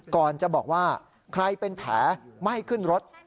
ก่อนจะบอกว่าใครเป็นแผลไม่ขึ้นรถ